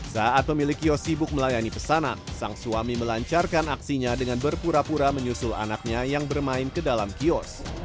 saat pemilik kios sibuk melayani pesanan sang suami melancarkan aksinya dengan berpura pura menyusul anaknya yang bermain ke dalam kios